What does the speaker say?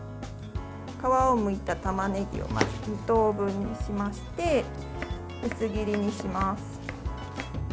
皮をむいたたまねぎをまず２等分にしまして薄切りにします。